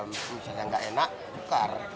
misalnya nggak enak tukar